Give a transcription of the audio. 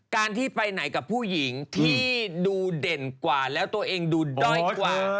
การที่ไปไหนกับผู้หญิงที่ดูเด่นกว่าแล้วตัวเองดูด้อยกว่า